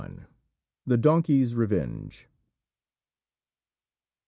LXXI. THE DONKEY'S REVENGE.